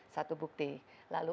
satu bukti lalu